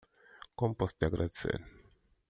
Como posso te agradecer?